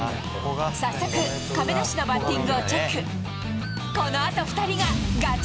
早速、亀梨のバッティングをチェック。